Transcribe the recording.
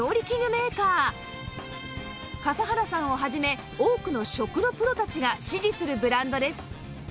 笠原さんを始め多くの食のプロたちが支持するブランドです